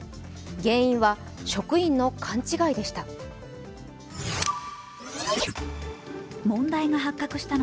原因は職員の勘違いでした。